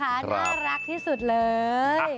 น่ารักที่สุดเลย